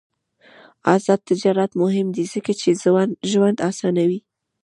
آزاد تجارت مهم دی ځکه چې ژوند اسانوي.